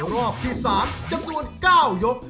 รอบที่๓จำนวน๙ยก